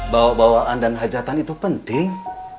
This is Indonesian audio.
bawa bawaan dan hajatan itu penting